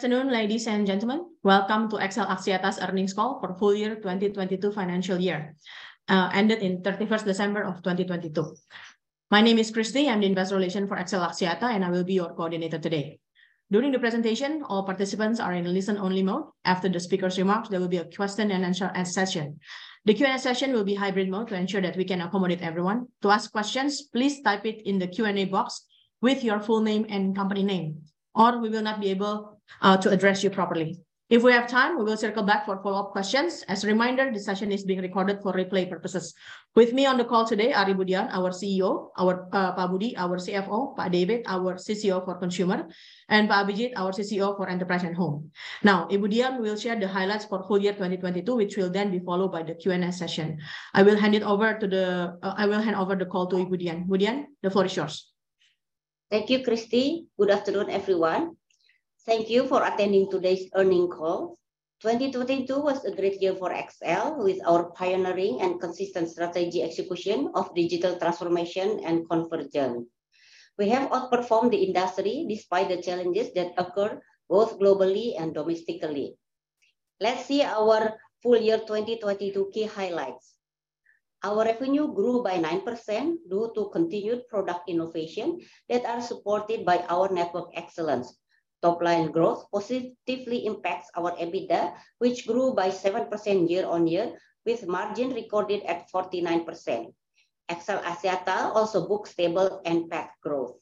Good afternoon, ladies and gentlemen. Welcome to XL Axiata's earnings call for full year 2022 financial year, ended 31st December 2022. My name is Christy. I am the Investor Relations for XL Axiata, and I will be your coordinator today. During the presentation, all participants are in a listen-only mode. After the speakers' remarks, there will be a question and answer session. The Q&A session will be hybrid mode to ensure that we can accommodate everyone. To ask questions, please type it in the Q&A box with your full name and company name, or we will not be able to address you properly. If we have time, we will circle back for follow-up questions. As a reminder, this session is being recorded for replay purposes. With me on the call today, Ibu Dian, our CEO, Pak Budi, our CFO, Pak David, our CCO for consumer, and Pak Abhijit, our CCO for enterprise and home. Ibu Dian will share the highlights for full year 2022, which will then be followed by the Q&A session. I will hand over the call to Ibu Dian. Ibu Dian, the floor is yours. Thank you, Christy. Good afternoon, everyone. Thank you for attending today's earnings call. 2022 was a great year for XL with our pioneering and consistent strategy execution of Digital Transformation and convergence. We have outperformed the industry despite the challenges that occurred both globally and domestically. Let's see our full year 2022 key highlights. Our revenue grew by 9% due to continued product innovation that are supported by our network excellence. Top-line growth positively impacts our EBITDA, which grew by 7% year-on-year with margin recorded at 49%. XL Axiata also booked stable CapEx growth.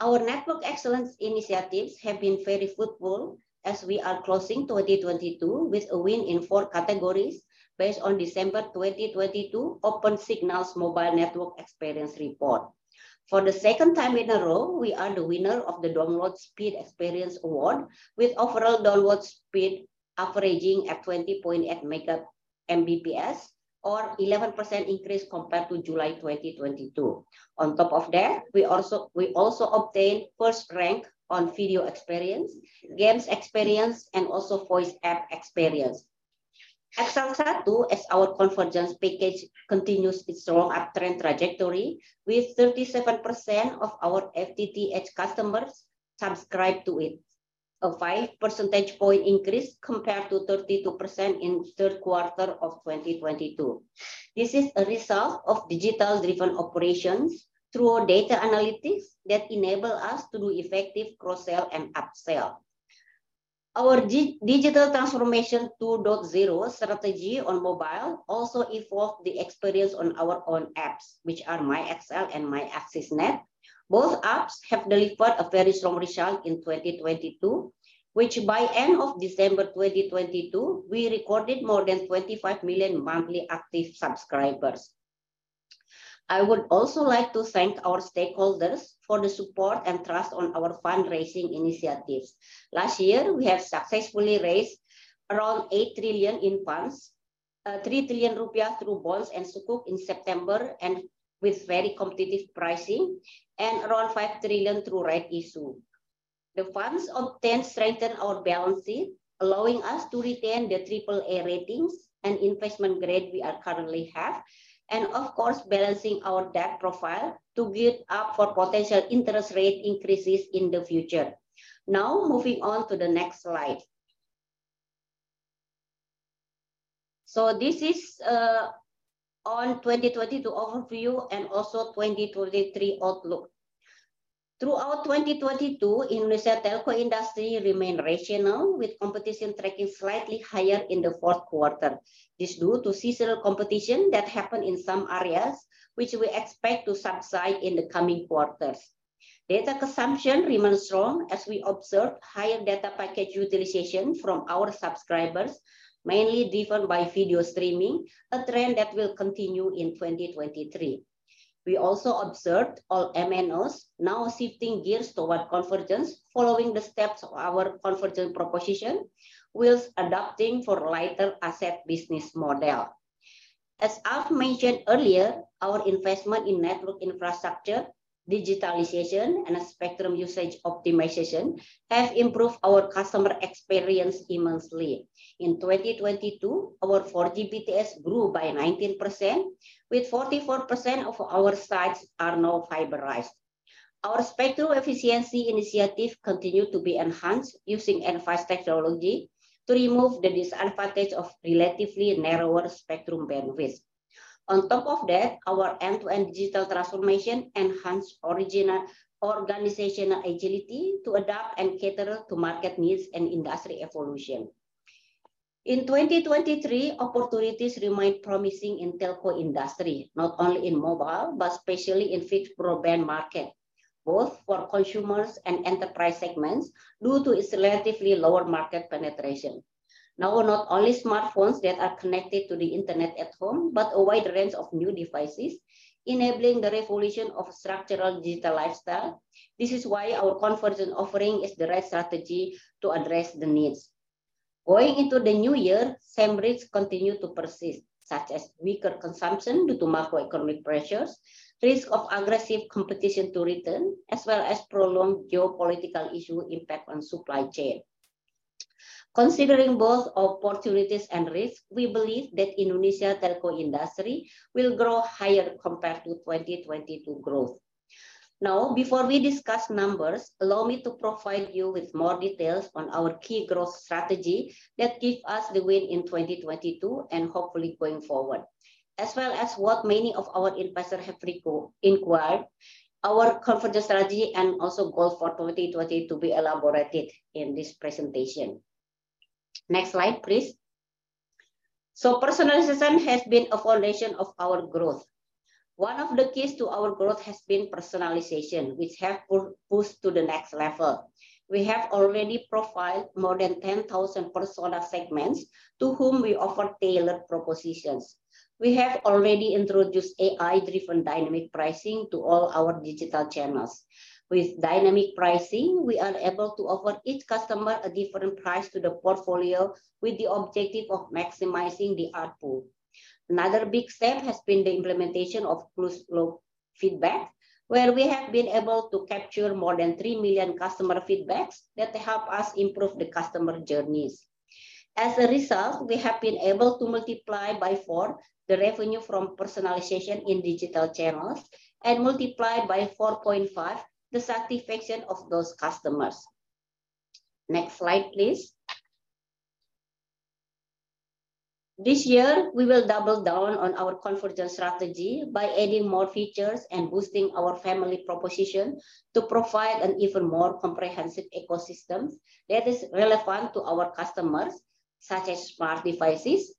Our network excellence initiatives have been very fruitful as we are closing 2022 with a win in four categories based on December 2022 Opensignal's Mobile Network Experience report. For the second time in a row, we are the winner of the Download Speed Experience award with overall download speed averaging at 20.8 Mbps or 11% increase compared to July 2022. On top of that, we also obtained first rank on Video Experience, Games Experience, and also Voice App Experience. XL SATU, as our convergence package, continues its strong uptrend trajectory with 37% of our FTTH customers subscribed to it, a five percentage point increase compared to 32% in third quarter 2022. This is a result of digital-driven operations through our data analytics that enable us to do effective cross-sell and up-sell. Our Digital Transformation 2.0 strategy on mobile also evolved the experience on our own apps, which are myXL and AXISnet. Both apps have delivered a very strong result in 2022, which by end of December 2022, we recorded more than 25 million monthly active subscribers. I would also like to thank our stakeholders for the support and trust on our fundraising initiatives. Last year, we have successfully raised around 8 trillion in funds, 3 trillion rupiah through bonds and Sukuk in September, with very competitive pricing, and around 5 trillion through rights issue. The funds obtain strengthen our balance sheet, allowing us to retain the AAA ratings and investment grade we currently have, and of course, balancing our debt profile to build up for potential interest rate increases in the future. Moving on to the next slide. This is on 2022 overview and also 2023 outlook. Throughout 2022, Indonesia telco industry remained rational with competition tracking slightly higher in the fourth quarter. This due to seasonal competition that happened in some areas, which we expect to subside in the coming quarters. Data consumption remains strong as we observe higher data package utilization from our subscribers, mainly driven by video streaming, a trend that will continue in 2023. We also observed all MNOs now shifting gears toward convergence, following the steps of our convergence proposition with adapting for lighter asset business model. As I've mentioned earlier, our investment in network infrastructure, digitalization, and spectrum usage optimization have improved our customer experience immensely. In 2022, our 4G BTS grew by 19%, with 44% of our sites are now fiberized. Our spectrum efficiency initiatives continue to be enhanced using NFVI technology to remove the disadvantage of relatively narrower spectrum bandwidth. On top of that, our end-to-end digital transformation enhanced organizational agility to adapt and cater to market needs and industry evolution. In 2023, opportunities remain promising in telco industry, not only in mobile, but especially in fixed broadband market, both for consumers and enterprise segments, due to its relatively lower market penetration. Not only smartphones that are connected to the internet at home, but a wide range of new devices, enabling the revolution of structural digital lifestyle. This is why our convergence offering is the right strategy to address the needs. Going into the new year, same risks continue to persist, such as weaker consumption due to macroeconomic pressures, risk of aggressive competition to return, as well as prolonged geopolitical issue impact on supply chain. Considering both opportunities and risk, we believe that Indonesia telco industry will grow higher compared to 2022 growth. Before we discuss numbers, allow me to provide you with more details on our key growth strategy that give us the win in 2022 and hopefully going forward. As well as what many of our investors have inquired, our convergence strategy and also goal for 2020 to be elaborated in this presentation. Next slide, please. Personalization has been a foundation of our growth. One of the keys to our growth has been personalization, which have pushed to the next level. We have already profiled more than 10,000 persona segments to whom we offer tailored propositions. We have already introduced AI-driven dynamic pricing to all our digital channels. With dynamic pricing, we are able to offer each customer a different price to the portfolio with the objective of maximizing the ARPU. Another big step has been the implementation of closed-loop feedback, where we have been able to capture more than 3 million customer feedbacks that help us improve the customer journeys. As a result, we have been able to multiply by 4 the revenue from personalization in digital channels and multiply by 4.5 the satisfaction of those customers. Next slide, please. This year, we will double down on our convergence strategy by adding more features and boosting our family proposition to provide an even more comprehensive ecosystem that is relevant to our customers, such as smart devices,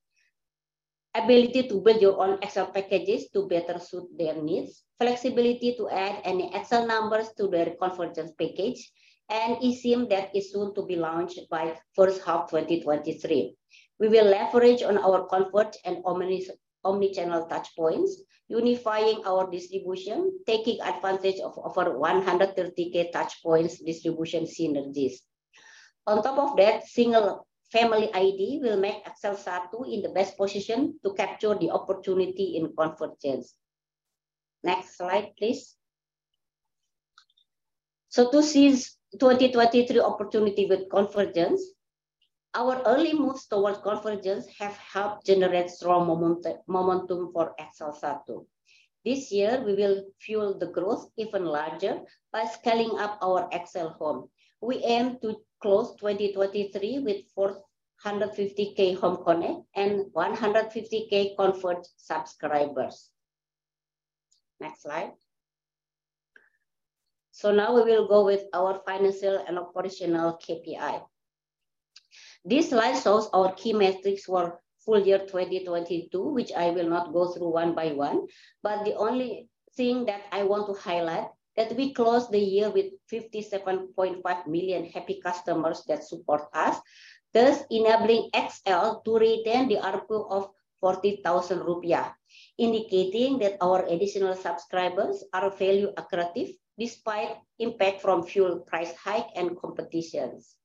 ability to build your own XL packages to better suit their needs, flexibility to add any XL numbers to their convergence package, and eSIM that is soon to be launched by first half 2023. We will leverage on our converge and omnichannel touchpoints, unifying our distribution, taking advantage of over 130,000 touchpoints distribution synergies. On top of that, single family ID will make XL SATU in the best position to capture the opportunity in convergence. Next slide, please. To seize 2023 opportunity with convergence, our early moves towards convergence have helped generate strong momentum for XL SATU. This year, we will fuel the growth even larger by scaling up our XL Home. We aim to close 2023 with 450,000 Home connect and 150,000 converge subscribers. Next slide. This slide shows our key metrics for full year 2022, which I will not go through one by one, but the only thing that I want to highlight, that we closed the year with 57.5 million happy customers that support us, thus enabling XL to retain the ARPU of 40,000 rupiah, indicating that our additional subscribers are value accretive despite impact from fuel price hike and competitions.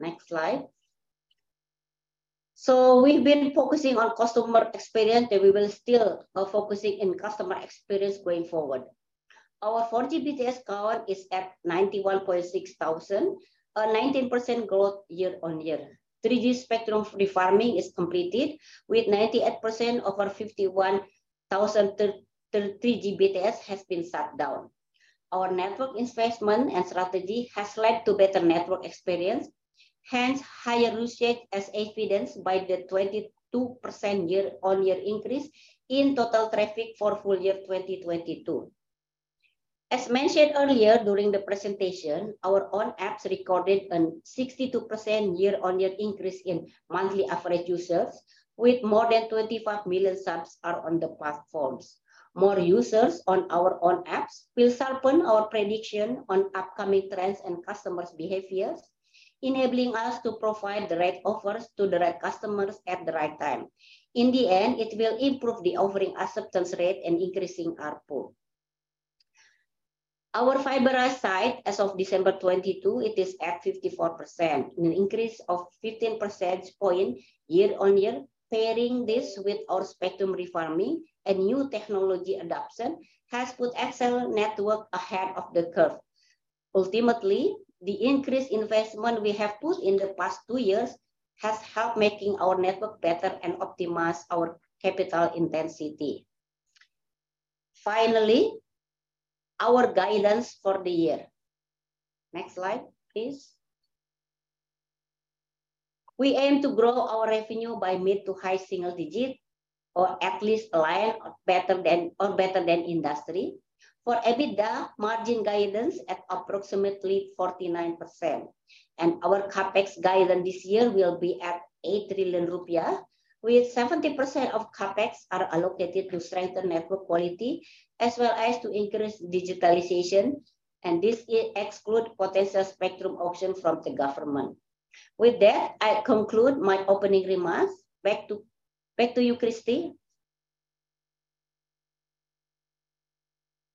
Next slide. We've been focusing on customer experience, and we will still focusing in customer experience going forward. Our 4G BTS count is at 91,600, a 19% growth year-on-year. 3G spectrum refarming is completed with 98% over 51,000 3G BTS has been shut down. Our network investment and strategy has led to better network experience, hence higher usage as evidenced by the 22% year-on-year increase in total traffic for full year 2022. As mentioned earlier during the presentation, our own apps recorded a 62% year-on-year increase in monthly average users with more than 25 million subs are on the platforms. More users on our own apps will sharpen our prediction on upcoming trends and customers' behaviors, enabling us to provide the right offers to the right customers at the right time. In the end, it will improve the offering acceptance rate and increasing ARPU. Our fiberized site as of December 2022, it is at 54%, an increase of 15 percentage point year-on-year. Pairing this with our spectrum refarming, a new technology adoption has put XL network ahead of the curve. Ultimately, the increased investment we have put in the past two years has helped making our network better and optimize our capital intensity. Finally, our guidance for the year. Next slide, please. We aim to grow our revenue by mid to high single digit or at least align or better than industry. For EBITDA, margin guidance at approximately 49%. Our CapEx guidance this year will be at 8 trillion rupiah, with 70% of CapEx allocated to strengthen network quality as well as to increase digitalization. This excludes potential spectrum auction from the government. With that, I conclude my opening remarks. Back to you, Christy.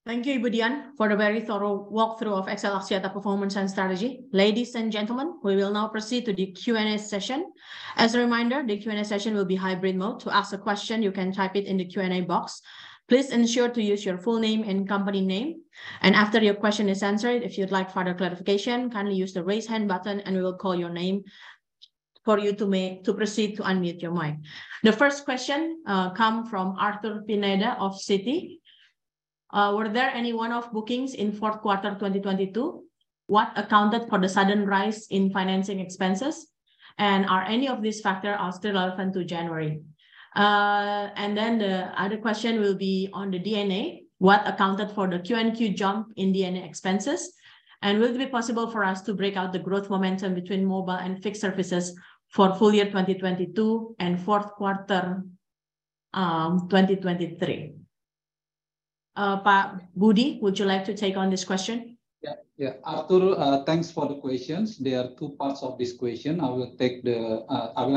Thank you, Ibu Dian, for the very thorough walkthrough of XL Axiata performance and strategy. Ladies and gentlemen, we will now proceed to the Q&A session. As a reminder, the Q&A session will be hybrid mode. To ask a question, you can type it in the Q&A box. Please ensure to use your full name and company name. After your question is answered, if you'd like further clarification, kindly use the raise hand button and we will call your name for you to proceed to unmute your mic. The first question come from Arthur Pineda of Citi. Were there any one-off bookings in fourth quarter 2022? What accounted for the sudden rise in financing expenses, and are any of these factor are still relevant to January? The other question will be on the D&A. What accounted for the QoQ jump in D&A expenses? Will it be possible for us to break out the growth momentum between mobile and fixed services for full year 2022 and fourth quarter 2023? Pak Budi, would you like to take on this question? Yeah. Arthur, thanks for the questions. There are two parts of this question. I will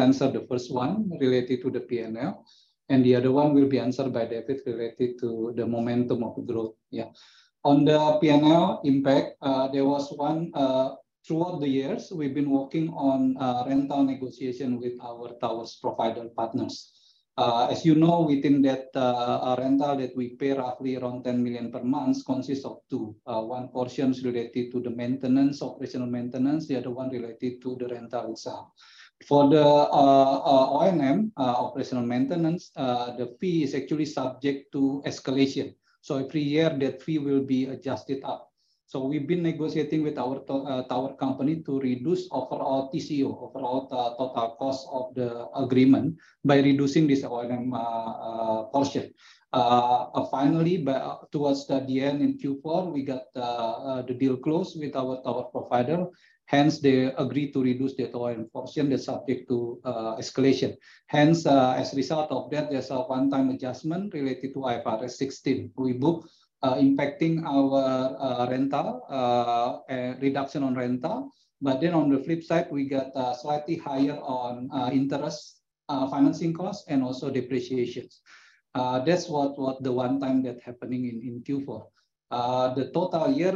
answer the first one related to the P&L. The other one will be answered by David related to the momentum of growth. Yeah. On the P&L impact, throughout the years, we've been working on rental negotiation with our towers provider partners. As you know, within that rental that we pay roughly around 10 million per month consists of two. One portion is related to the maintenance, operational maintenance, the other one related to the rental itself. For the O&M, operational maintenance, the fee is actually subject to escalation. Every year, that fee will be adjusted up. We've been negotiating with our tower company to reduce overall TCO, overall total cost of the agreement, by reducing this O&M portion. Towards the DN in Q4, we got the deal closed with our tower provider, hence they agreed to reduce that O&M portion that's subject to escalation. As a result of that, there's a one-time adjustment related to IFRS 16 rebook, impacting our rental and reduction on rental. On the flip side, we got slightly higher on interest, financing cost, and also depreciations. That's what the one-time that happening in Q4. The total year,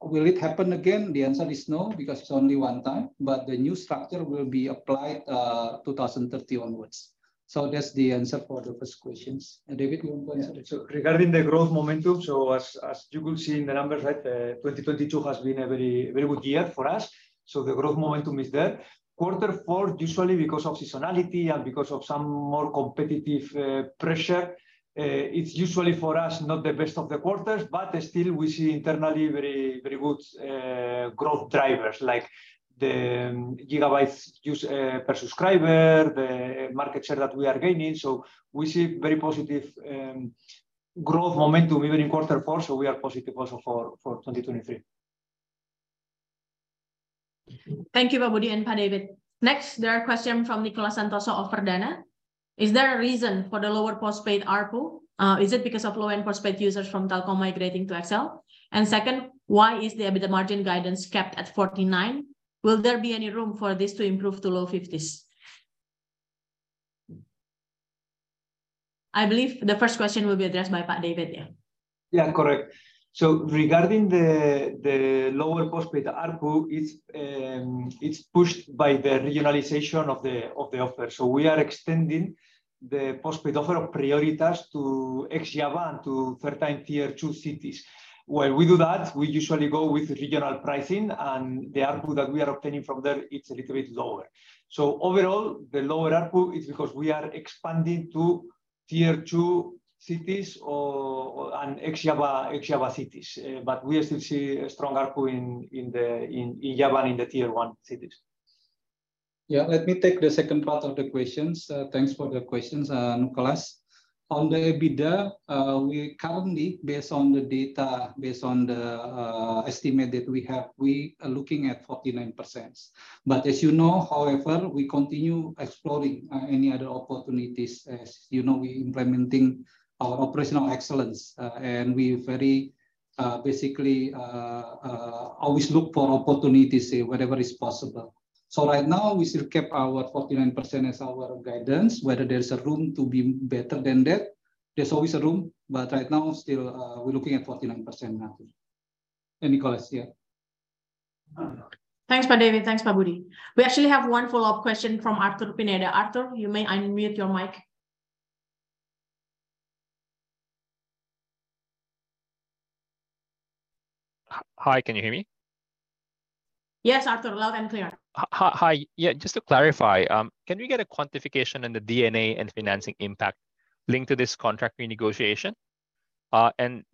will it happen again? The answer is no, because it's only one-time, but the new structure will be applied 2030 onwards. That's the answer for the first questions. David, you want to answer the second? Yeah. Regarding the growth momentum, as you can see in the numbers, right? 2022 has been a very good year for us. The growth momentum is there. Quarter four, usually because of seasonality and because of some more competitive pressure, it's usually for us not the best of the quarters. Still we see internally very good growth drivers like the gigabytes used per subscriber, the market share that we are gaining. We see very positive growth momentum even in quarter four, we are positive also for 2023. Thank you, Pak Budi and Pak David. Next, there are question from Nicholas Santoso of Verdant. Is there a reason for the lower postpaid ARPU? Is it because of low-end postpaid users from Telkom migrating to XL? Second, why is the EBITDA margin guidance kept at 49? Will there be any room for this to improve to low 50s? I believe the first question will be addressed by Pak David. Yeah. Yeah. Correct. Regarding the lower postpaid ARPU, it's pushed by the regionalization of the offer. We are extending the postpaid offer of Prioritas to ex-Java, and to 13 tier 2 cities. When we do that, we usually go with regional pricing, and the ARPU that we are obtaining from them, it's a little bit lower. Overall, the lower ARPU is because we are expanding to tier 2 cities or and ex-Java cities. We still see a strong ARPU in Java in the tier 1 cities. Yeah. Let me take the second part of the questions. Thanks for the questions, Nicholas. On the EBITDA, we currently, based on the data, based on the estimate that we have, we are looking at 49%. As you know, however, we continue exploring any other opportunities. As you know, we implementing our operational excellence, and we very, basically always look for opportunities wherever is possible. Right now, we still kept our 49% as our guidance. Whether there's a room to be better than that, there's always a room. Right now, still, we're looking at 49% now. Nicholas, yeah. Thanks, Pak David. Thanks, Pak Budi. We actually have one follow-up question from Arthur Pineda. Arthur, you may unmute your mic. Hi, can you hear me? Yes, Arthur. Loud and clear. Hi. Yeah, just to clarify, can we get a quantification on the D&A and financing impact linked to this contract renegotiation?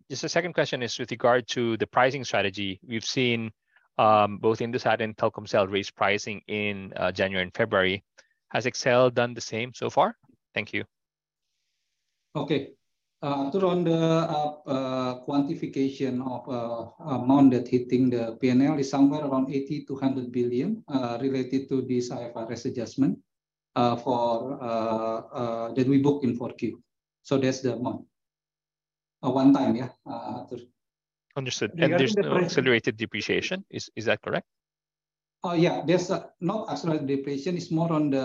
Just a second question is with regard to the pricing strategy. We've seen both Indosat and Telkomsel raise pricing in January and February. Has XL done the same so far? Thank you. Okay. Arthur, on the quantification of amount that hitting the P&L is somewhere around 80 billion-100 billion, related to this IFRS adjustment that we book in 4Q. That's the amount. A one time, yeah, Arthur. Understood. There's no accelerated depreciation, is that correct? Yeah. There's no accelerated depreciation. It's more on the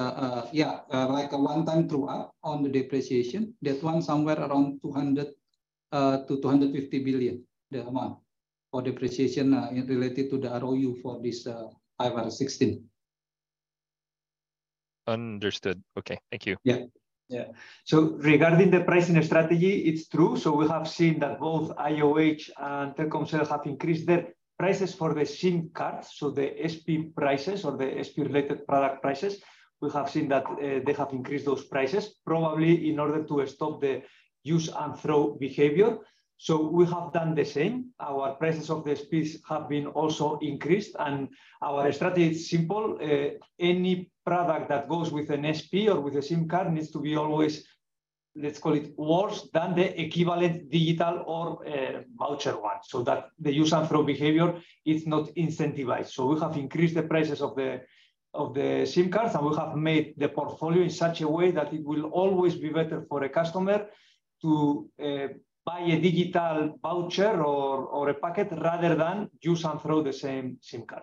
like a one time true-up on the depreciation. That one somewhere around 200 billion-250 billion, the amount for depreciation related to the ROU for this IFRS 16. Understood. Okay. Thank you. Yeah. Regarding the pricing strategy, it's true. We have seen that both IOH and Telkomsel have increased their prices for the SIM cards, so the SP prices or the SP-related product prices. We have seen that they have increased those prices, probably in order to stop the use and throw behavior. We have done the same. Our prices of the SPs have been also increased, and our strategy is simple. Any product that goes with an SP or with a SIM card needs to be always, let's call it, worse than the equivalent digital or voucher one, so that the use and throw behavior is not incentivized. We have increased the prices of the SIM cards, and we have made the portfolio in such a way that it will always be better for a customer to buy a digital voucher or a packet rather than use and throw the same SIM card.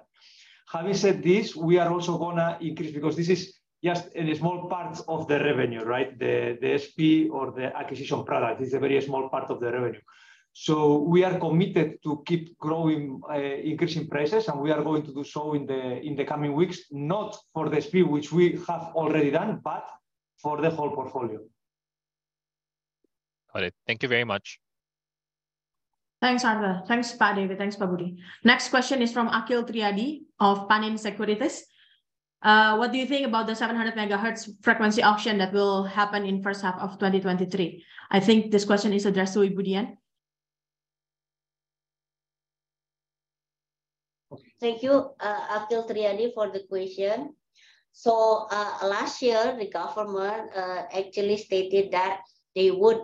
Having said this, we are also going to increase, because this is just a small part of the revenue, right? The SP or the acquisition product is a very small part of the revenue. We are committed to keep growing, increasing prices, and we are going to do so in the coming weeks, not for the SP, which we have already done, but for the whole portfolio. Got it. Thank you very much. Thanks, Arthur. Thanks, Pak David. Thanks, Pak Budi. Next question is from Aqil Triyadi of Panin Sekuritas. What do you think about the 700 MHz frequency auction that will happen in first half of 2023? I think this question is addressed to Ibu Dian. Thank you, Aqil Triyadi, for the question. Last year, the government actually stated that they would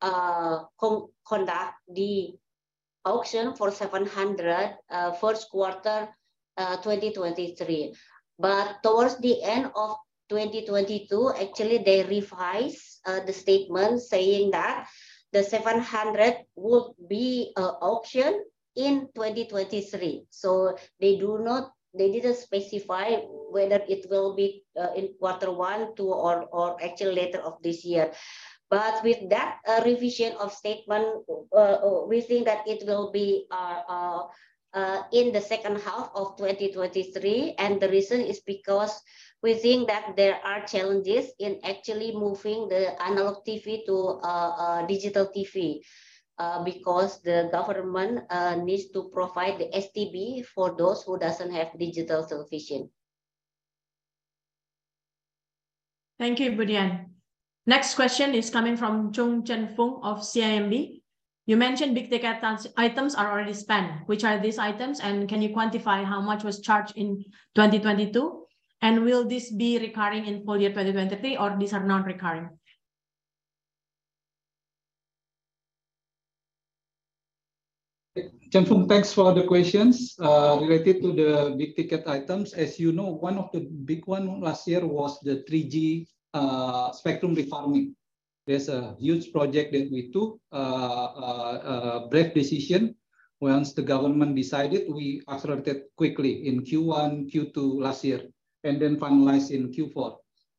conduct the auction for 700 first quarter 2023. Towards the end of 2022, actually, they revised the statement saying that the 700 would be auction in 2023. They didn't specify whether it will be in quarter 1, 2, or actually later of this year. With that revision of statement, we think that it will be in the second half of 2023, the reason is because we think that there are challenges in actually moving the analog TV to digital TV because the government needs to provide the STB for those who doesn't have digital television. Thank you, Ibu Dian. Next question is coming from Choong Chen Foong of CIMB. You mentioned big ticket items are already spent. Which are these items, can you quantify how much was charged in 2022? Will this be recurring in full year 2023, or these are not recurring? Chen Foong, thanks for the questions. Related to the big ticket items, as you know, one of the big 1 last year was the 3G spectrum refarming. That's a huge project that we took. A brave decision. Once the government decided, we accelerated quickly in Q1, Q2 last year, then finalized in Q4.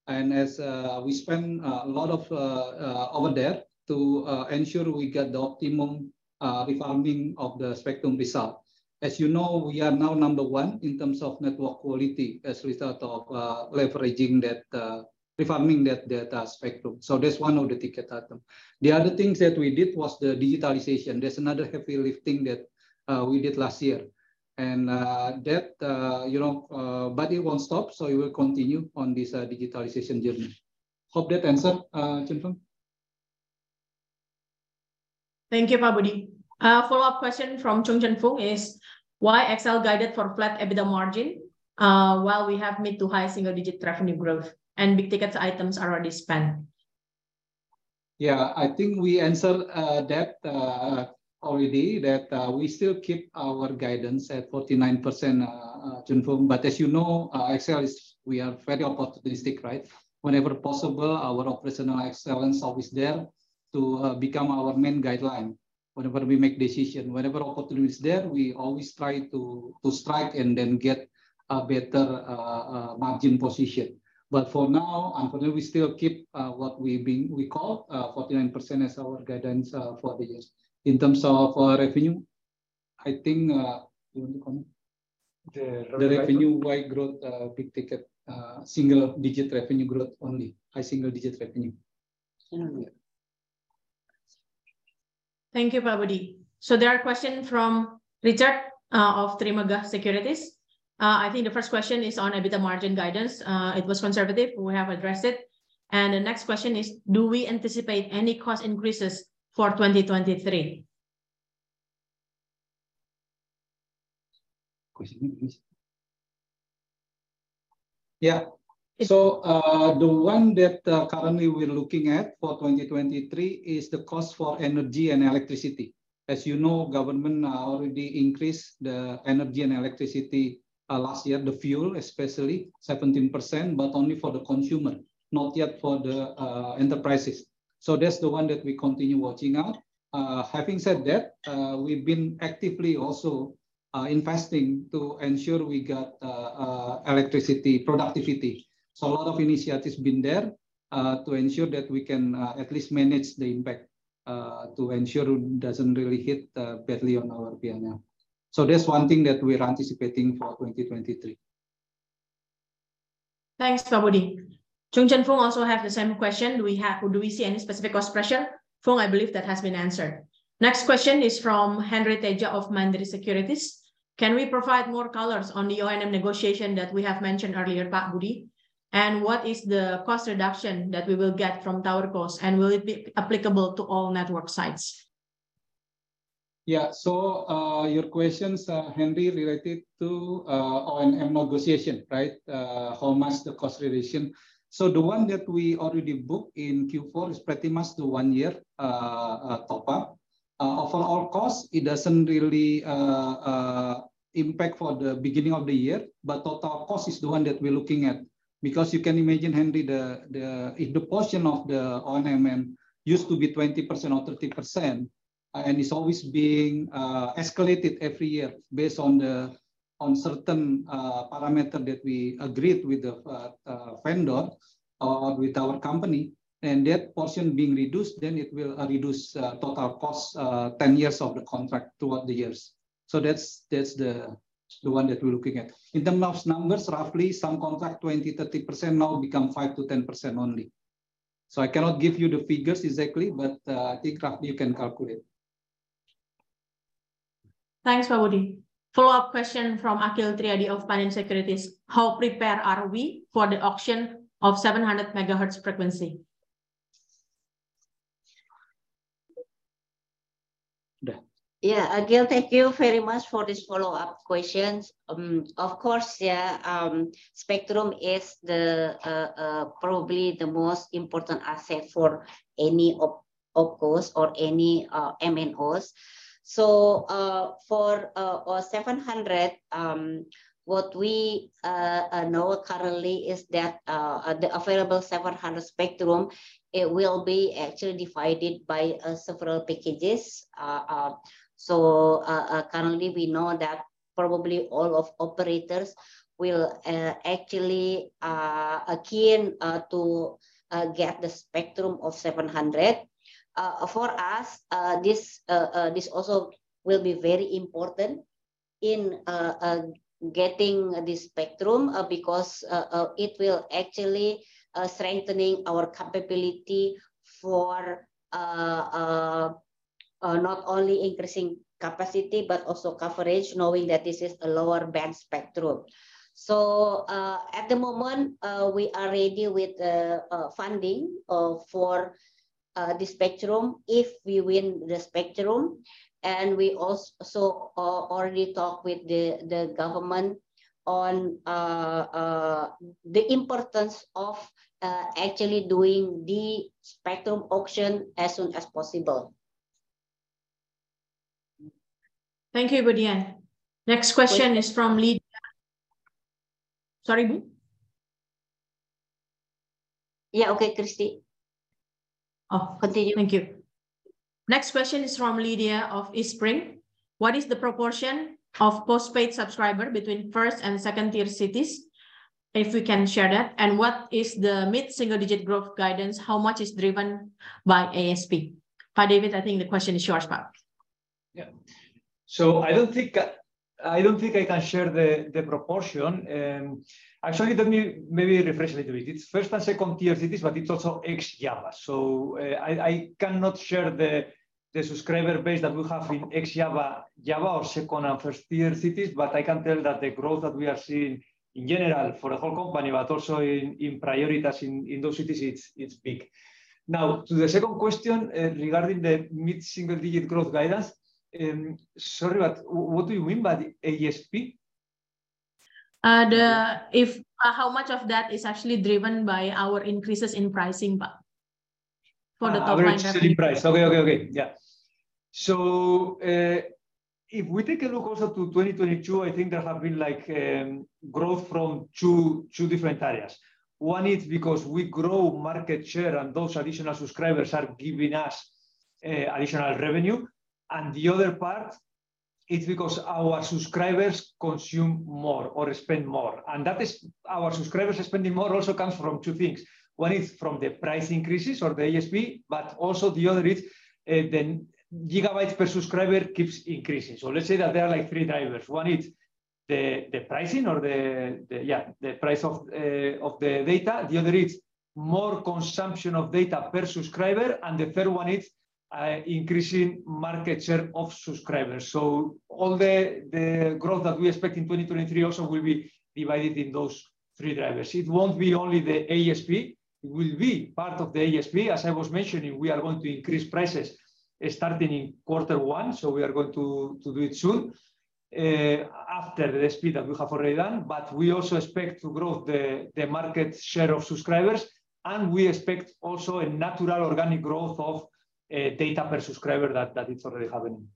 As we spent a lot of our debt to ensure we get the optimum refarming of the spectrum result. As you know, we are now number 1 in terms of network quality as result of leveraging that, refarming that data spectrum. That's one of the ticket item. The other things that we did was the digitalization. That's another heavy lifting that we did last year. That, buddy, won't stop, we will continue on this digitalization journey. Hope that answer, Chen Foong. Thank you, Pak Budi. A follow-up question from Choong Chen Foong is why XL guided for flat EBITDA margin while we have mid to high single-digit revenue growth and big ticket items are already spent? Yeah, I think we answered that already, that we still keep our guidance at 49%, Chen Foong. As you know, we are very opportunistic, right? Whenever possible, our operational excellence is always there to become our main guideline. Whenever we make decision, whatever opportunity is there, we always try to strike and then get a better margin position. For now, I'm going to still keep what we call 49% as our guidance for this. In terms of our revenue, I think You want to comment? The- The revenue wide growth, big ticket, single-digit revenue growth only. High single-digit revenue. Yeah. Thank you, Pak Budi. There are question from Richard of Trimegah Sekuritas. I think the first question is on EBITDA margin guidance. It was conservative. We have addressed it. The next question is, do we anticipate any cost increases for 2023? Question, please. The one that currently we're looking at for 2023 is the cost for energy and electricity. As you know, Government already increased the energy and electricity last year, the fuel especially, 17%, but only for the consumer, not yet for the enterprises. That's the one that we continue watching out. Having said that, we've been actively also investing to ensure we got electricity productivity. A lot of initiatives been there to ensure that we can at least manage the impact to ensure it doesn't really hit badly on our P&L. That's one thing that we are anticipating for 2023. Thanks, Pak Budi. Choong Chen Foong also have the same question. Do we see any specific cost pressure? Foong, I believe that has been answered. Next question is from Henry Tedja of Mandiri Sekuritas. Can we provide more colors on the O&M negotiation that we have mentioned earlier, Pak Budi? What is the cost reduction that we will get from tower costs, and will it be applicable to all network sites? Your questions, Henry, related to O&M negotiation, right? How much the cost reduction. The one that we already booked in Q4 is pretty much the one year, top up. For our cost, it doesn't really impact for the beginning of the year, but total cost is the one that we're looking at. Because you can imagine, Henry, the portion of the O&M used to be 20% or 30%, and it's always being escalated every year based on certain parameter that we agreed with the vendor or with our company. That portion being reduced, then it will reduce total cost 10 years of the contract throughout the years. That's the one that we're looking at. In terms of numbers, roughly some contract 20%, 30%, now become 5%-10% only. I cannot give you the figures exactly, but I think roughly you can calculate. Thanks, Pak Budi. Follow-up question from Aqil Triyadi of Panin Sekuritas. How prepared are we for the auction of 700 MHz frequency? Ibu Dian. Yeah. Aqil, thank you very much for this follow-up questions. Of course, yeah, spectrum is probably the most important asset for any OPCOs or any MNOs. For our 700, what we know currently is that the available 700 spectrum, it will be actually divided by several packages. Currently we know that probably all of operators will actually are keen to get the spectrum of 700. For us, this also will be very important in getting this spectrum, because it will actually strengthening our capability for not only increasing capacity but also coverage, knowing that this is a lower band spectrum. At the moment, we are ready with funding for the spectrum if we win the spectrum, and we also already talked with the government on the importance of actually doing the spectrum auction as soon as possible. Thank you, Ibu Dian. Next question is from Lydia. Sorry, Bu? Yeah, okay, Christy. Oh, thank you. Continue. Next question is from Lydia of Eastspring. What is the proportion of postpaid subscriber between first and second tier cities? If we can share that. What is the mid-single digit growth guidance? How much is driven by ASP? Pak David, I think the question is yours, Pak. Yeah. I don't think I can share the proportion. Actually, let me maybe refresh a little bit. It's first and second tier cities, but it's also ex-Java. I cannot share the subscriber base that we have in ex-Java or second and first tier cities, but I can tell that the growth that we are seeing in general for the whole company, but also in Prioritas in those cities, it's big. Now to the second question regarding the mid-single digit growth guidance. Sorry, but what do you mean by ASP? How much of that is actually driven by our increases in pricing, Pak, for the top line revenue. Average selling price. Okay. Yeah. If we take a look also to 2022, I think there have been growth from two different areas. One is because we grow market share, and those additional subscribers are giving us additional revenue. The other part is because our subscribers consume more or spend more. That is our subscribers are spending more also comes from two things. One is from the price increases or the ASP, but also the other is the gigabytes per subscriber keeps increasing. Let's say that there are three drivers. One is the pricing or the, yeah, the price of the data. The other is more consumption of data per subscriber. The third one is increasing market share of subscribers. All the growth that we expect in 2023 also will be divided in those three drivers. It won't be only the ASP. It will be part of the ASP. As I was mentioning, we are going to increase prices starting in quarter one. We are going to do it soon, after the speed that we have already done. We also expect to grow the market share of subscribers, and we expect also a natural organic growth of data per subscriber that is already happening.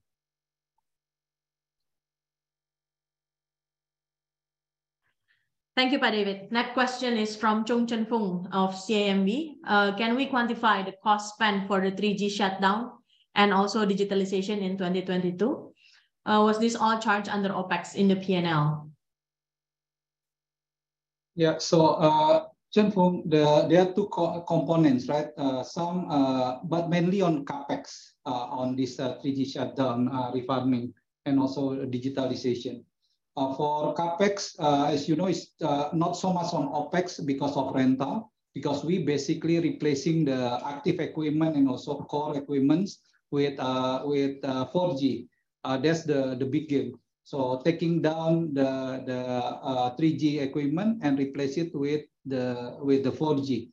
Thank you, Pak David. Next question is from Choong Chen Foong of CIMB. Can we quantify the cost spend for the 3G shutdown and also digitalization in 2022? Was this all charged under OpEx in the P&L? Yeah. Chen Foong, there are two components, right? Mainly on CapEx, on this 3G shutdown, refarming, and also digitalization. For CapEx, as you know, it is not so much on OpEx because of rental. We are basically replacing the active equipment and also core equipments with 4G. That is the big give. Taking down the 3G equipment and replace it with the 4G.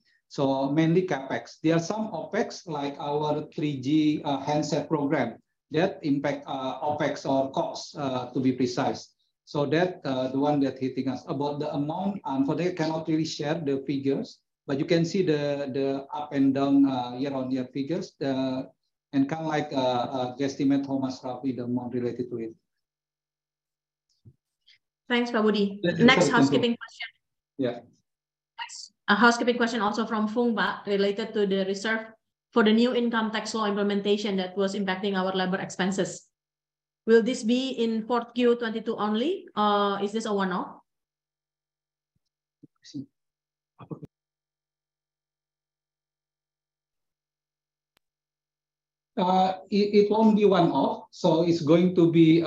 Mainly CapEx. There are some OpEx, like our 3G handset program. That impact OpEx or costs, to be precise. The one that hitting us. About the amount, for that I cannot really share the figures, but you can see the up and down year-on-year figures. Guesstimate how much profit, the amount related to it. Thanks, Pak Budi. Yeah. Next housekeeping question. Yeah. Thanks. A housekeeping question also from Foong, but related to the reserve for the new income tax law implementation that was impacting our labor expenses. Will this be in Q4 2022 only? Is this a one-off? It won't be one-off. It's going to be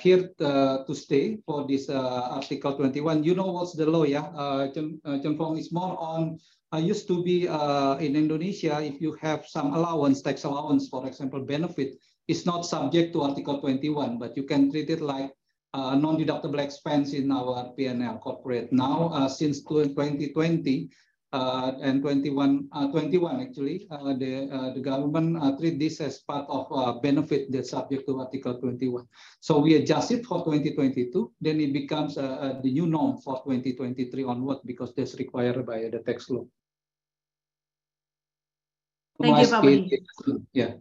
here to stay for this Article 21. You know what's the law, yeah, Chen Foong? It used to be, in Indonesia, if you have some allowance, tax allowance, for example, benefit, it's not subject to Article 21. You can treat it like a non-deductible expense in our P&L corporate. Now, since 2020, and 2021 actually, the government treat this as part of benefit that's subject to Article 21. We adjust it for 2022, it becomes the new norm for 2023 onwards, because that's required by the tax law. Thank you, Pak Budi. Yeah.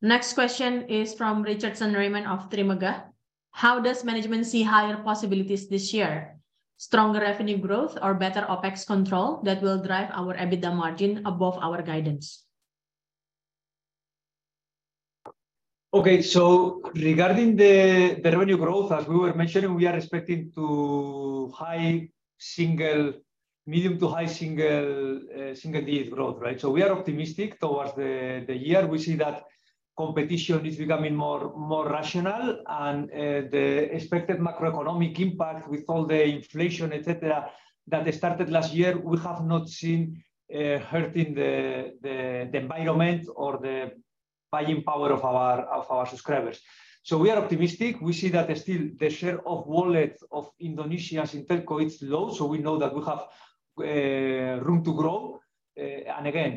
Next question is from Richardson Raymond of Trimegah. How does management see higher possibilities this year? Stronger revenue growth or better OpEx control that will drive our EBITDA margin above our guidance? Okay. Regarding the revenue growth, as we were mentioning, we are expecting medium to high single digits growth, right? We are optimistic towards the year. We see that competition is becoming more rational, and the expected macroeconomic impact with all the inflation, et cetera, that started last year, we have not seen hurting the environment or the buying power of our subscribers. We are optimistic. We see that still the share of wallet of Indonesia's Telco, it's low, we know that we have room to grow. Again,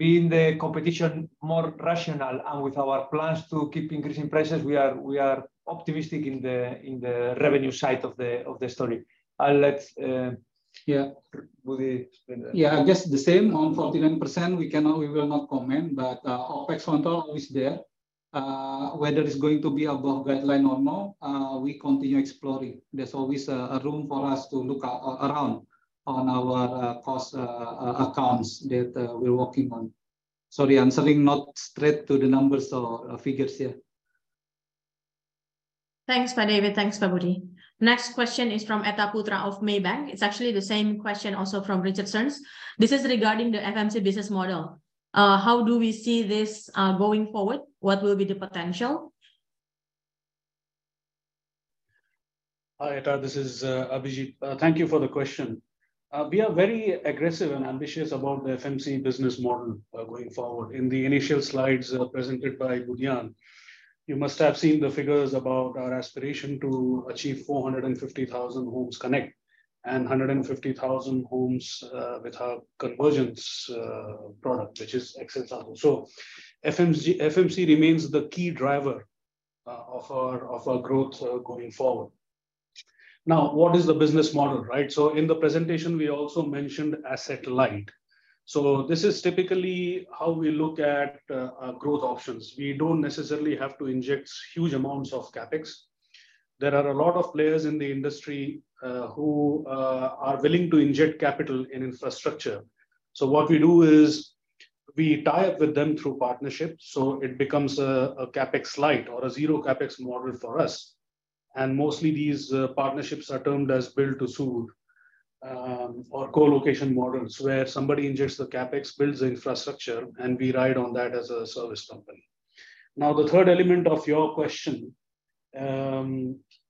being the competition more rational and with our plans to keep increasing prices, we are optimistic in the revenue side of the story. I'll let- Yeah Budi explain that. Yeah, just the same. On 49%, we will not comment. OpEx control is there. Whether it is going to be above guideline or not, we continue exploring. There is always a room for us to look around on our cost accounts that we are working on. Sorry, I am saying not straight to the numbers or figures here. Thanks, Pak David. Thanks, Pak Budi. Next question is from Etta Putra of Maybank. It is actually the same question also from Richardson's. This is regarding the FMC business model. How do we see this going forward? What will be the potential? Hi, Etta. This is Abhijit. Thank you for the question. We are very aggressive and ambitious about the FMC business model going forward. In the initial slides presented by Budian, you must have seen the figures about our aspiration to achieve 450,000 homes connect and 150,000 homes with our convergence product, which is XL SATU. FMC remains the key driver of our growth going forward. What is the business model, right? In the presentation, we also mentioned asset light. This is typically how we look at growth options. We do not necessarily have to inject huge amounts of CapEx. There are a lot of players in the industry who are willing to inject capital in infrastructure. What we do is we tie up with them through partnerships, so it becomes a CapEx light or a zero CapEx model for us. Mostly these partnerships are termed as build to suit or co-location models, where somebody injects the CapEx, builds the infrastructure, and we ride on that as a service company. The third element of your question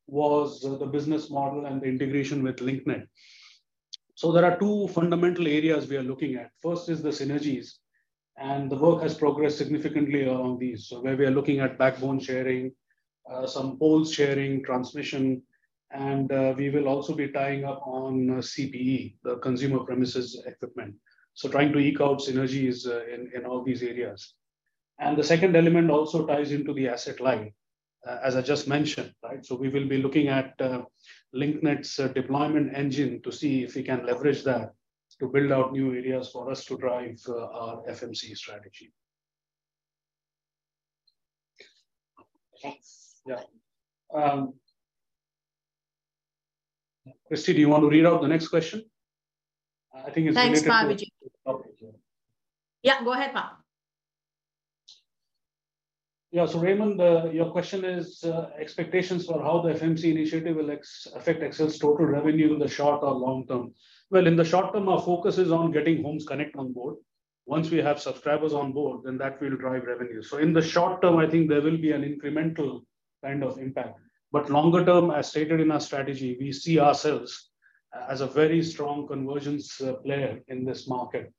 was the business model and the integration with Link Net. There are two fundamental areas we are looking at. First is the synergies, and the work has progressed significantly around these. Where we are looking at backbone sharing, some pole sharing, transmission, and we will also be tying up on CPE, the consumer premises equipment. Trying to eke out synergies in all these areas. The second element also ties into the asset light, as I just mentioned, right? We will be looking at Link Net's deployment engine to see if we can leverage that to build out new areas for us to drive our FMC strategy. Thanks. Yeah. Christy, do you want to read out the next question? I think it is related to. Thanks, Pak Abhijit. Okay. Yeah, go ahead, Pak. Raymond, your question is expectations for how the FMC initiative will affect XL's total revenue in the short or long term. Well, in the short term, our focus is on getting homes connect on board. Once we have subscribers on board, that will drive revenue. In the short term, I think there will be an incremental kind of impact. Longer term, as stated in our strategy, we see ourselves as a very strong convergence player in this market.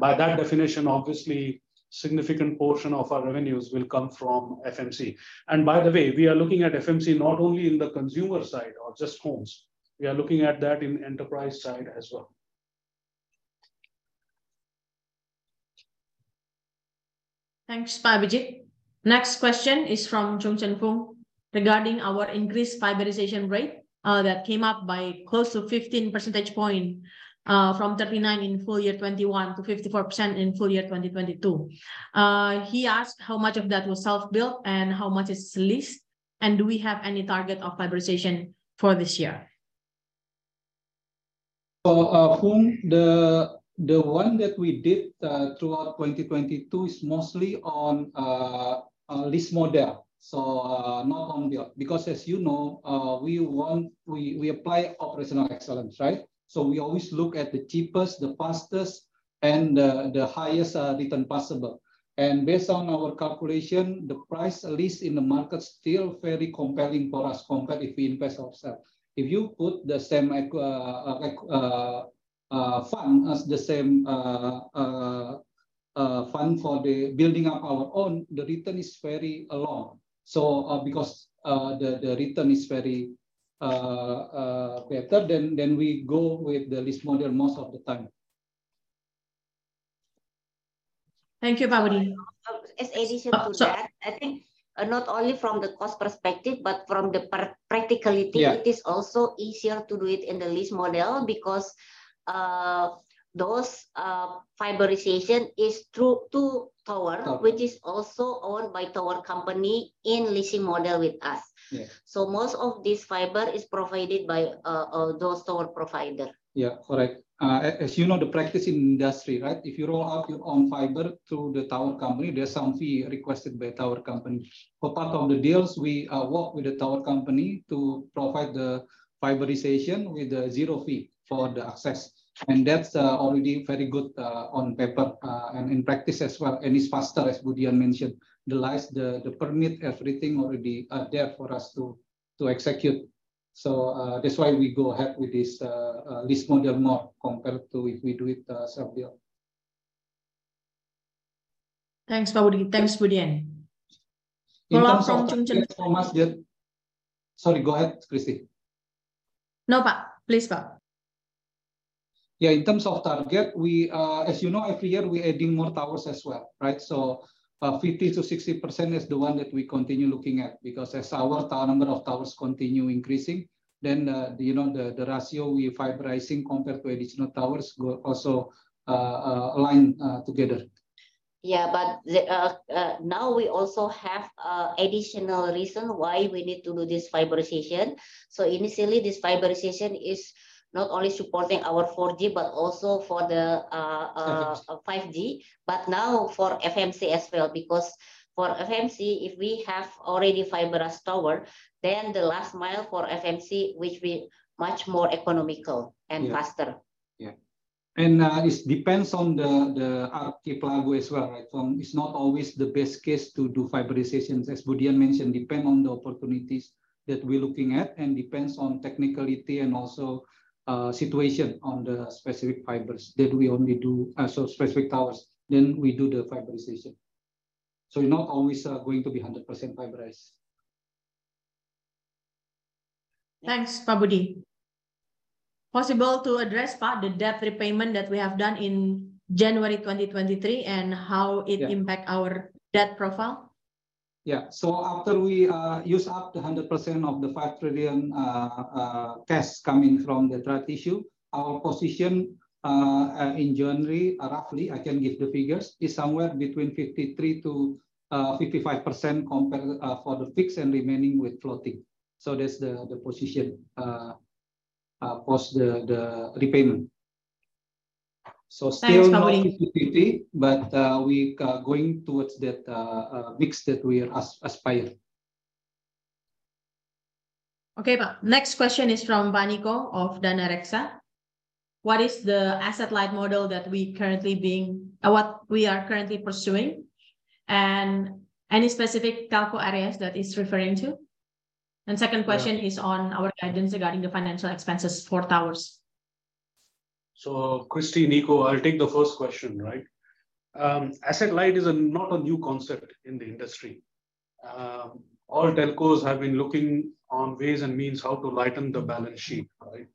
By that definition, obviously, significant portion of our revenues will come from FMC. By the way, we are looking at FMC not only in the consumer side or just homes. We are looking at that in enterprise side as well. Thanks, Pak Budi. Next question is from Choong Chen Foong regarding our increased fiberization rate that came up by close to 15 percentage points from 39 in FY 2021 to 54% in FY 2022. He asked how much of that was self-built and how much is leased, and do we have any target of fiberization for this year? Foong, the one that we did throughout 2022 is mostly on lease model. Not on build. Because as you know, we apply operational excellence, right? We always look at the cheapest, the fastest, and the highest return possible. And based on our calculation, the price lease in the market still very compelling for us compared if we invest ourselves. If you put the same fund as the same fund for the building up our own, the return is very low. Because the return is very better, we go with the lease model most of the time. Thank you, Pak Budi. As addition to that- Oh, sorry I think not only from the cost perspective, but from the practicality- Yeah it is also easier to do it in the lease model because those fiberization is through two tower- Okay which is also owned by tower company in leasing model with us. Yeah. Most of this fiber is provided by those tower provider. Yeah, correct. As you know, the practice in industry, right? If you roll out your own fiber through the tower company, there's some fee requested by tower company. For part of the deals, we work with the tower company to provide the fiberization with zero fee for the access. That's already very good on paper, and in practice as well. It's faster, as Bu Dian mentioned. The permit, everything already are there for us to execute. That's why we go ahead with this lease model more compared to if we do it self-build. Thanks, Pak Budi. Thanks, Bu Dian. In terms of target- Follow-up from Choong Chen Foong. Sorry, go ahead, Christy. No, Pak. Please, Pak. Yeah, in terms of target, as you know, every year we're adding more towers as well, right? 50%-60% is the one that we continue looking at because as our number of towers continue increasing, then the ratio we fiberizing compared to additional towers will also align together. Now we also have additional reason why we need to do this fiberization. Initially, this fiberization is not only supporting our 4G, but also for the 5G. Now for FMC as well, because for FMC, if we have already fiber as tower, then the last mile for FMC will be much more economical and faster. It depends on the archipelago as well, right. It's not always the best case to do fiberizations, as Bu Dian mentioned, depend on the opportunities that we're looking at, and depends on technicality and also situation on the specific fibers that we only do, so specific towers, then we do the fiberization. We're not always going to be 100% fiberized. Thanks, Pak Budi. Possible to address, Pak, the debt repayment that we have done in January 2023 and how it impact our debt profile? After we use up the 100% of the 5 trillion cash coming from the rights issue, our position, in January, roughly I can give the figures, is somewhere between 53%-55% compared for the fixed and remaining with floating. That's the position post the repayment. Still not. Thanks, Pak Budi. 50/50, we are going towards that mix that we are aspiring. Okay, Pak. Next question is from Niko of Danareksa. What is the asset-light model that we are currently pursuing? Any specific telco areas that he is referring to? Second question is on our guidance regarding the financial expenses for towers. Christy, Niko, I will take the first question, right? Asset-light is not a new concept in the industry. All telcos have been looking on ways and means how to lighten the balance sheet. Right?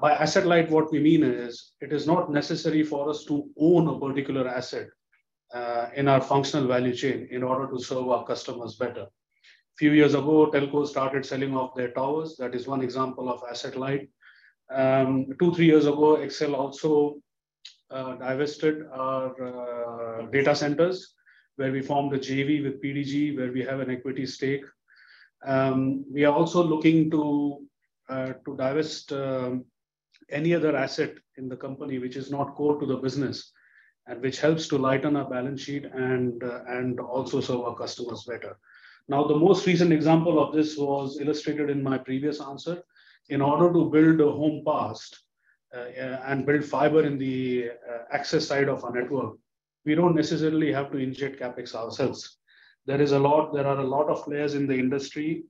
By asset-light what we mean is, it is not necessary for us to own a particular asset in our functional value chain in order to serve our customers better. Few years ago, telcos started selling off their towers. That is one example of asset-light. Two, three years ago, XL also divested our data centers where we formed a JV with PDG where we have an equity stake. We are also looking to divest any other asset in the company which is not core to the business, and which helps to lighten our balance sheet and also serve our customers better. The most recent example of this was illustrated in my previous answer. In order to build a XL Home and build fiber in the access side of our network, we don't necessarily have to inject CapEx ourselves. There are a lot of players in the industry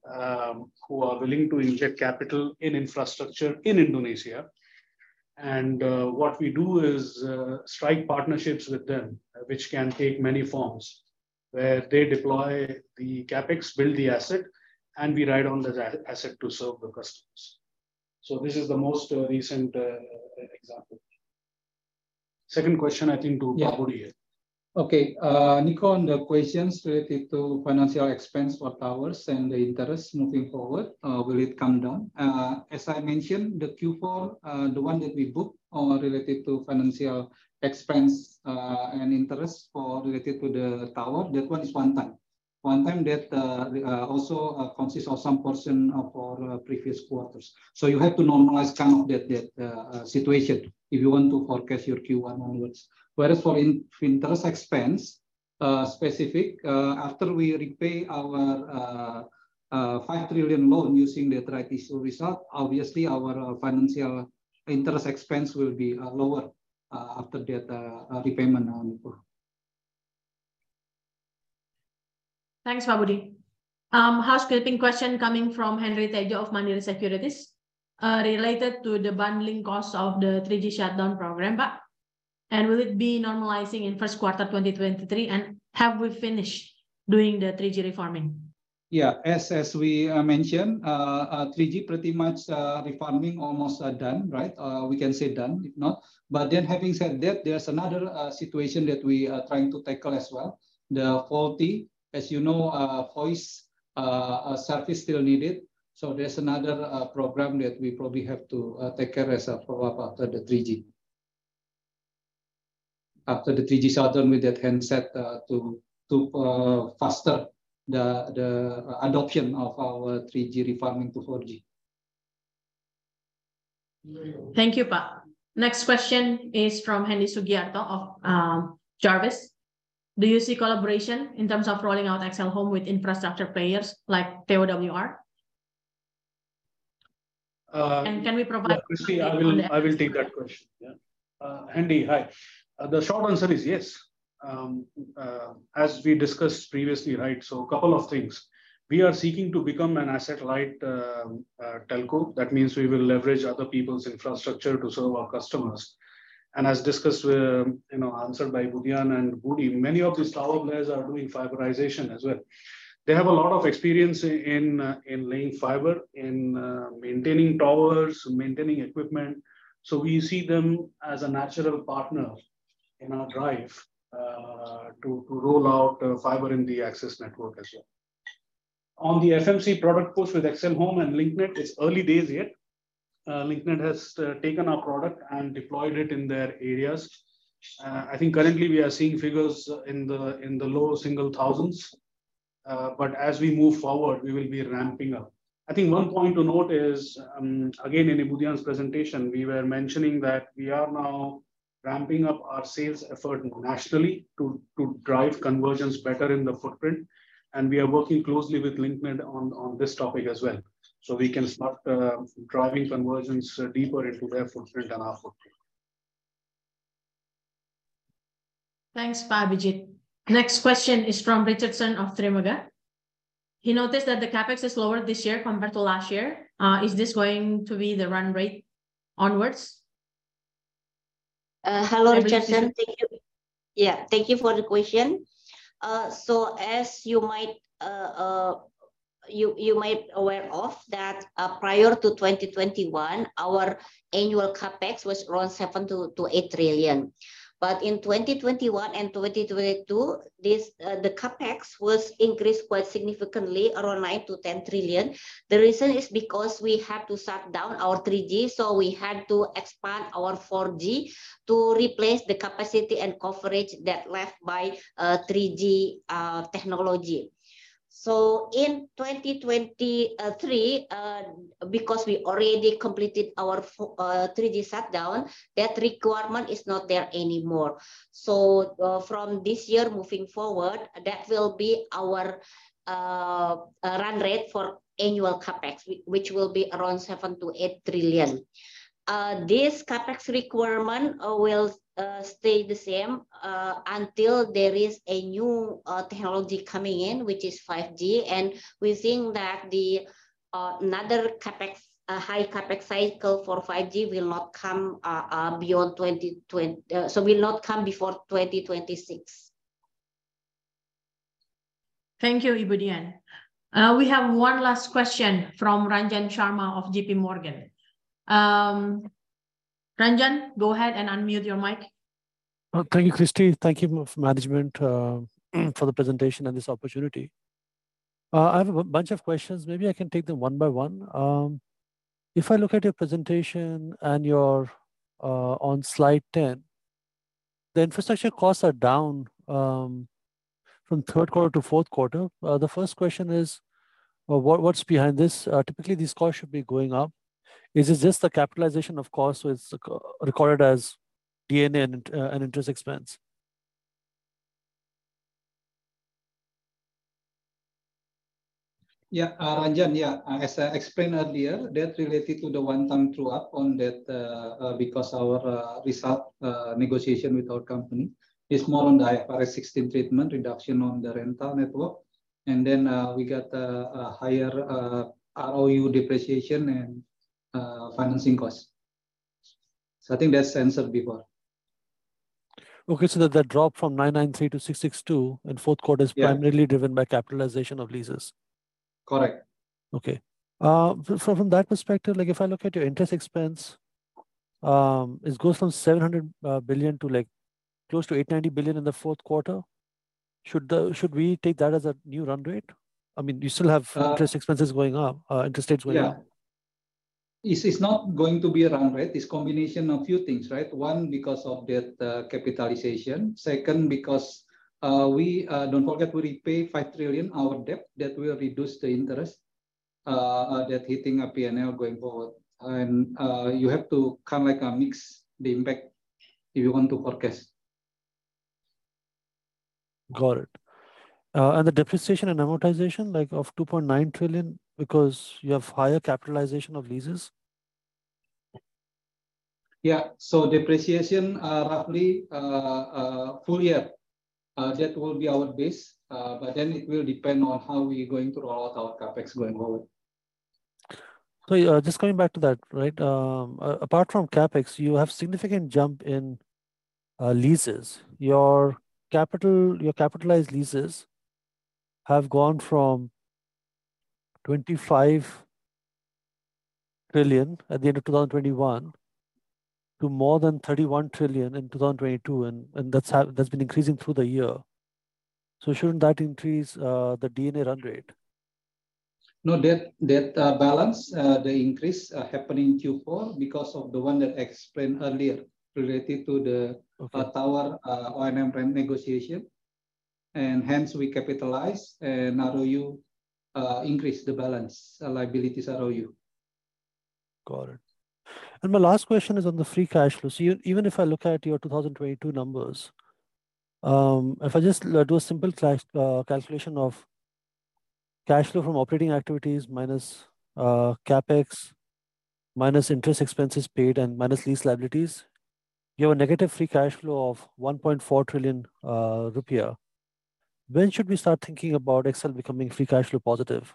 who are willing to inject capital in infrastructure in Indonesia. What we do is strike partnerships with them, which can take many forms, where they deploy the CapEx, build the asset, we ride on that asset to serve the customers. This is the most recent example. Second question, I think, to Pak Budi. Okay. Niko, on the questions related to financial expense for towers and the interest moving forward, will it come down? As I mentioned, the Q4, the one that we booked related to financial expense and interest related to the tower, that one is one time that also consists of some portion of our previous quarters. You have to normalize some of that situation if you want to forecast your Q1 onwards. Whereas for interest expense specific, after we repay our 5 trillion loan using the Tri-Tiso result, obviously, our financial interest expense will be lower after that repayment onward. Thanks, Pak Budi. Housekeeping question coming from Henry Tedja of Mandiri Sekuritas related to the bundling cost of the 3G shutdown program, Pak, will it be normalizing in first quarter 2023, have we finished doing the 3G refarming? Yeah. As we mentioned, 3G refarming almost done. We can say done. Having said that, there's another situation that we are trying to tackle as well. The quality. As you know, voice service still needed. There's another program that we probably have to take care as a follow-up after the 3G. After the 3G shutdown, we can set to faster the adoption of our 3G refarming to 4G. Thank you, Pak. Next question is from Hendy Sugiarto of Jarvis. Do you see collaboration in terms of rolling out XL Home with infrastructure players like TOWR? Yeah. Can we provide Yeah, Christy, I will take that question. Hendy, hi. The short answer is yes. As we discussed previously. A couple of things. We are seeking to become an asset-light telco. That means we will leverage other people's infrastructure to serve our customers. As discussed, answered by Dian and Budi, many of these tower players are doing fiberization as well. They have a lot of experience in laying fiber, in maintaining towers, maintaining equipment. We see them as a natural partner in our drive to roll out fiber in the access network as well. On the FMC product push with XL Home and Link Net, it's early days yet. Link Net has taken our product and deployed it in their areas. I think currently we are seeing figures in the low single thousands. As we move forward, we will be ramping up. I think one point to note is, again, in Ibu Dian's presentation, we were mentioning that we are now ramping up our sales effort nationally to drive conversions better in the footprint, and we are working closely with Link Net on this topic as well. We can start driving conversions deeper into their footprint and our footprint. Thanks, Pak Bijit. Next question is from Richardson of Trimegah. He noticed that the CapEx is lower this year compared to last year. Is this going to be the run rate onwards? Hello, Richardson. Ibu Dian. Thank you for the question. As you might aware of that prior to 2021, our annual CapEx was around 7 trillion-8 trillion. In 2021 and 2022, the CapEx was increased quite significantly, around 9 trillion-10 trillion. The reason is because we had to shut down our 3G, we had to expand our 4G to replace the capacity and coverage that left by 3G technology. In 2023, because we already completed our 3G shutdown, that requirement is not there anymore. From this year moving forward, that will be our run rate for annual CapEx, which will be around 7 trillion-8 trillion. This CapEx requirement will stay the same until there is a new technology coming in, which is 5G. We think that another high CapEx cycle for 5G will not come before 2026. Thank you, Ibu Dian. We have one last question from Ranjan Sharma of JP Morgan. Ranjan, go ahead and unmute your mic. Thank you, Christy. Thank you, management for the presentation and this opportunity. I have a bunch of questions. Maybe I can take them one by one. If I look at your presentation and you're on slide 10. The infrastructure costs are down from third quarter to fourth quarter. The first question is, what's behind this? Typically, these costs should be going up. Is this the capitalization of costs, so it's recorded as P&L and interest expense? Ranjan, as I explained earlier, that related to the one-time true-up on that because our result negotiation with our company is more on the IFRS 16 treatment reduction on the rental network. We got a higher ROU depreciation and financing cost. I think that's answered before. That drop from 993 to 662 in fourth quarter Yeah is primarily driven by capitalization of leases. Correct. Okay. From that perspective, if I look at your interest expense, it goes from 700 billion to close to 890 billion in the fourth quarter. Should we take that as a new run rate? You still have. interest expenses going up, interest rates going up. Yeah. This is not going to be a run rate. It's combination of few things, right? One, because of that capitalization. Second, because don't forget, we repay 5 trillion, our debt, that will reduce the interest that hitting our P&L going forward. You have to mix the impact if you want to forecast. Got it. The depreciation and amortization of 2.9 trillion because you have higher capitalization of leases? Yeah. Depreciation, roughly full year. That will be our base, but then it will depend on how we're going to roll out our CapEx going forward. Just going back to that, apart from CapEx, you have significant jump in leases. Your capitalized leases have gone from 25 trillion at the end of 2021 to more than 31 trillion in 2022, and that's been increasing through the year. Shouldn't that increase the P&L run rate? No, that balance, the increase happened in Q4 because of the one that I explained earlier. Okay tower O&M rent negotiation. Hence we capitalize, ROU increase the balance. Liabilities ROU. Got it. My last question is on the free cash flow. Even if I look at your 2022 numbers, if I just do a simple calculation of cash flow from operating activities minus CapEx, minus interest expenses paid, and minus lease liabilities, you have a negative free cash flow of 1.4 trillion rupiah. When should we start thinking about XL becoming free cash flow positive?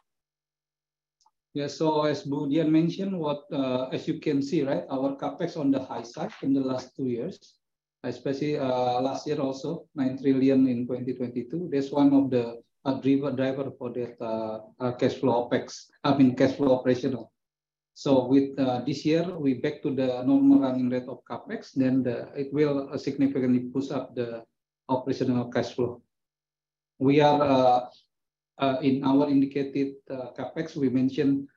Yeah. As Bu Dian mentioned, as you can see, our CapEx on the high side in the last two years. Especially last year also, 9 trillion in 2022. That's one of the driver for that cash flow operational. With this year, we back to the normal running rate of CapEx, it will significantly boost up the operational cash flow. In our indicated CapEx, we mentioned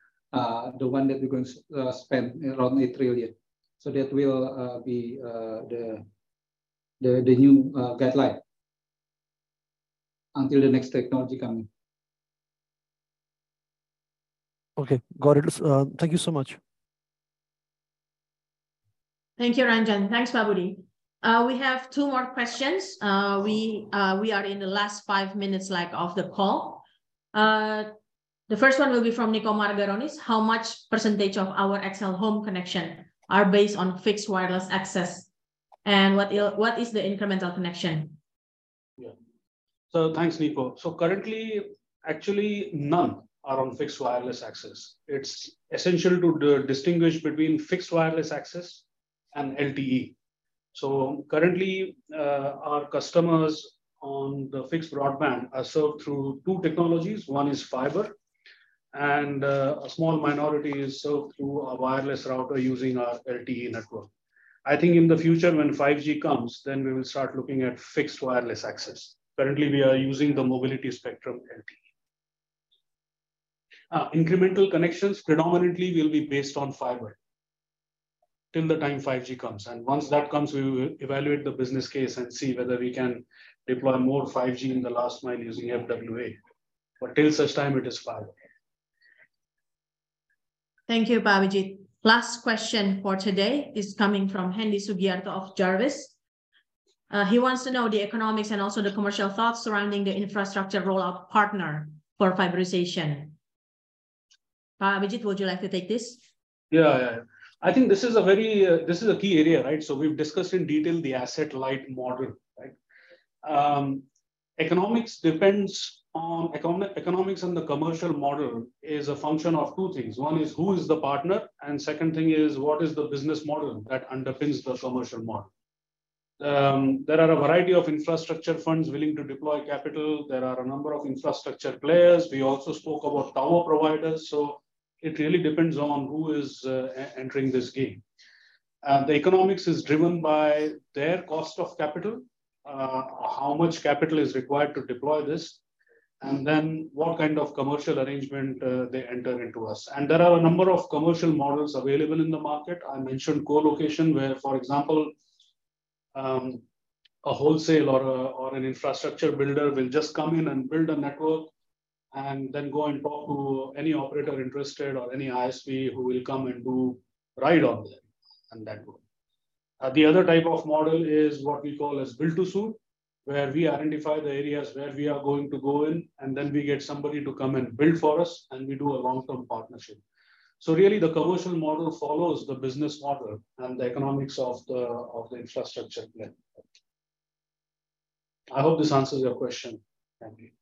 the one that we're going to spend around 8 trillion. That will be the new guideline until the next technology coming. Okay. Got it. Thank you so much. Thank you, Ranjan. Thanks, Pak Budi. We have two more questions. We are in the last five minutes of the call. The first one will be from Niko Margaronis. How much percentage of our XL Home connection are based on fixed wireless access? And what is the incremental connection? Yeah. Thanks, Niko. Currently, actually none are on fixed wireless access. It's essential to distinguish between fixed wireless access and LTE. Currently, our customers on the fixed broadband are served through two technologies. One is fiber, and a small minority is served through a wireless router using our LTE network. I think in the future when 5G comes, then we will start looking at fixed wireless access. Currently, we are using the mobility spectrum LTE. Incremental connections predominantly will be based on fiber till the time 5G comes. Once that comes, we will evaluate the business case and see whether we can deploy more 5G in the last mile using FWA. Till such time, it is fiber. Thank you, Pak Abijit. Last question for today is coming from Hendy Sugiarto of Jarvis. He wants to know the economics and also the commercial thoughts surrounding the infrastructure rollout partner for fiberization. Pak Abijit, would you like to take this? Yeah. I think this is a key area, right? We've discussed in detail the asset-light model. Economics and the commercial model is a function of two things. One is who is the partner, and second thing is what is the business model that underpins the commercial model. There are a variety of infrastructure funds willing to deploy capital. There are a number of infrastructure players. We also spoke about tower providers. It really depends on who is entering this game. The economics is driven by their cost of capital, how much capital is required to deploy this, and then what kind of commercial arrangement they enter into us. There are a number of commercial models available in the market. I mentioned co-location, where, for example, a wholesale or an infrastructure builder will just come in and build a network, and then go and talk to any operator interested or any ISP who will come and do ride-on there on that work. The other type of model is what we call as build to suit, where we identify the areas where we are going to go in, and then we get somebody to come and build for us, and we do a long-term partnership. Really, the commercial model follows the business model and the economics of the infrastructure plan. I hope this answers your question, Hendy.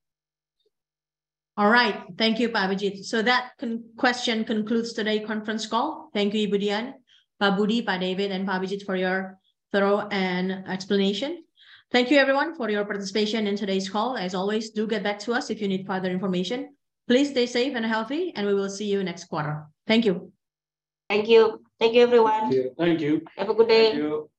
All right. Thank you, Pak Bijit. That question concludes today conference call. Thank you, Ibu Dian, Pak Budi, Pak David, and Pak Bijit for your thorough and explanation. Thank you, everyone for your participation in today's call. As always, do get back to us if you need further information. Please stay safe and healthy, and we will see you next quarter. Thank you. Thank you. Thank you, everyone. Thank you. Have a good day. Thank you.